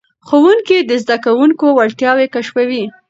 ښوونکي د زده کوونکو وړتیاوې کشفوي.